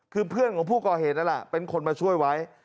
คือเพื่อนของผู้ก่อเหตุนั่นแหละเป็นคนมาช่วยไว้